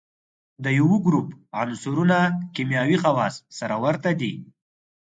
د یوه ګروپ عنصرونه کیمیاوي خواص سره ورته دي.